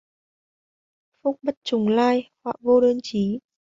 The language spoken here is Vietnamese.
Phúc bất trùng lai, hoạ vô đơn chí.